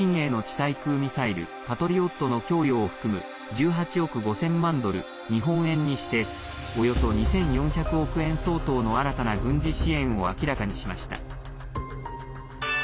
対空ミサイル「パトリオット」の供与を含む１８億５０００万ドル日本円にしておよそ２４００億円相当の新たな軍事支援を明らかにしました。